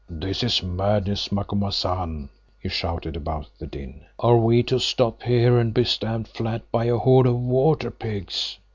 "This is madness, Macumazahn," he shouted above the din. "Are we to stop here and be stamped flat by a horde of water pigs?"